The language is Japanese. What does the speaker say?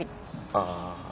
ああ。